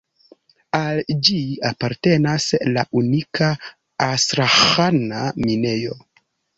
Al ĝi apartenas la unika Astraĥana minejo.